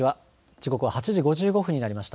時刻は８時５５分になりました。